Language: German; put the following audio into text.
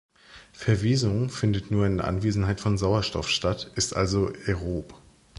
Verwesung findet nur in Anwesenheit von Sauerstoff statt, ist also aerob.